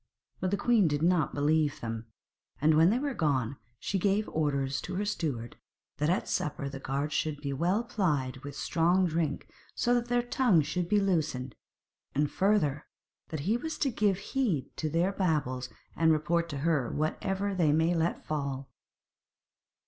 But the queen did not believe them, and when they were gone, she gave orders to her steward that at supper the guards should be well plied with strong drink so that their tongues should be loosened, and, further, that he was to give heed to their babble, and report to her, whatever they might let fall.